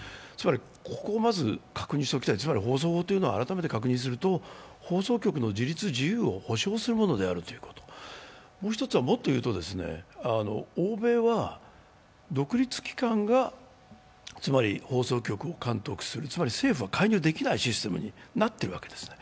ここをまず確認しておきたい、放送法というのは改めて確認すると放送局の自立・自由を保証するものである、もっと言うと欧米は独立機関が放送局を監督する、つまり政府は介入できないシステムになっているわけですね。